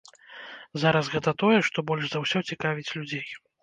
Зараз гэта тое, што больш за ўсё цікавіць людзей.